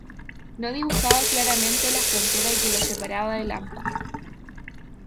No dibujaba claramente la frontera que lo separaba del hampa.